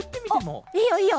あっいいよいいよ！